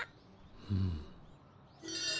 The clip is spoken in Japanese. うん。